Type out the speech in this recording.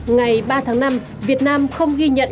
ngày ba tháng năm việt nam không ghi nhận